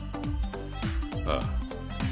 ああ。